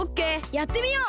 やってみよう！